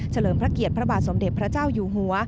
เลิมพระเกียรติพระบาทสมเด็จพระเจ้าอยู่หัว